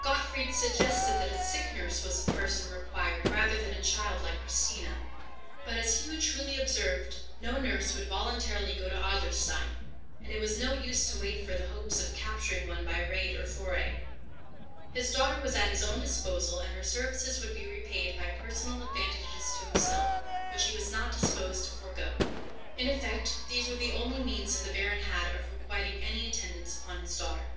Gottfried suggested that a sick nurse was the person required rather than a child like Christina; but, as Hugh truly observed, no nurse would voluntarily go to Adlerstein, and it was no use to wait for the hopes of capturing one by raid or foray. His daughter was at his own disposal, and her services would be repaid by personal advantages to himself which he was not disposed to forego; in effect these were the only means that the baron had of requiting any attendance upon his daughter.